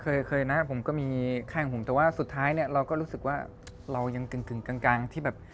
เคยเคยนะผมก็มีแข้งผมแต่ว่าสุดท้ายเนี่ยเราก็รู้สึกว่าเรายังกึ่งกลางที่แบบ